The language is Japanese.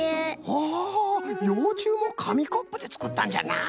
ほほうようちゅうもかみコップでつくったんじゃな。